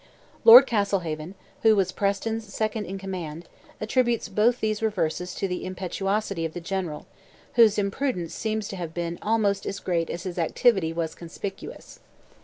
Lord Castlehaven, who was Preston's second in command, attributes both these reverses to the impetuosity of the general, whose imprudence seems to have been almost as great as his activity was conspicuous.